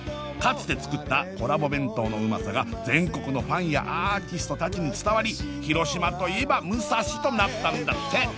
かつて作ったコラボ弁当のうまさが全国のファンやアーティスト達に伝わり広島といえばむさしとなったんだって！